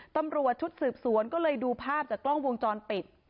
ตำรวจชุดสืบสวนก็เลยดูภาพจากกล้องวงจรปิด